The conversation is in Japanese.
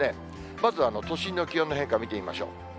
まず都心の気温の変化、見てみましょう。